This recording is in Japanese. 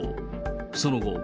その後。